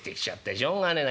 しょうがねえな。